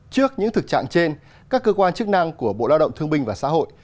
trước những thực trạng trên các cơ quan chức năng của bộ lao động thương binh và xã hội